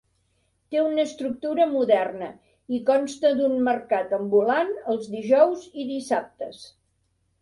Té una estructura moderna i consta d'un mercat ambulant els dijous i dissabtes.